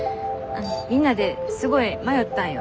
みんなですごい迷ったんよ。